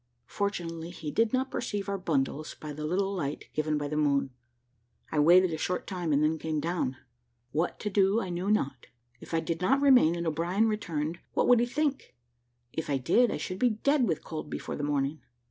Fortunately he did not perceive our bundles by the little light given by the moon. I waited a short time and then came down. What to do I knew not. If I did not remain and O'Brien returned, what would he think? If I did, I should be dead with cold before the morning.